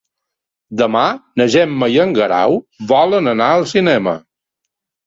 Demà na Gemma i en Guerau volen anar al cinema.